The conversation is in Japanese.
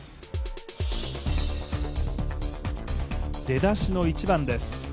出だしの１番です。